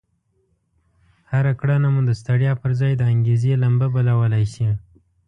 هره کړنه مو د ستړيا پر ځای د انګېزې لمبه بلولای شي.